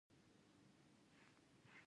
انګور د افغانستان د بشري فرهنګ یوه برخه ده.